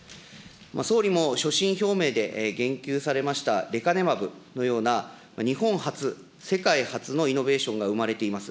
総理も所信表明で言及されました、レカネマブのような日本発、世界初のイノベーションが生まれています。